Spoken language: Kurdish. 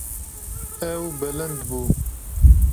Ew bilind bû.